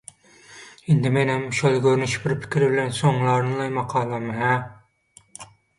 Indi menem şol görnüş bir pikir bilen soňlarynlaý makalamy, hä?